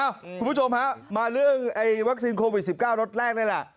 อ้าวคุณผู้ชมครับมาเรื่องไอ้วัคซีนโควิด๑๙รถแรกนี่แหละ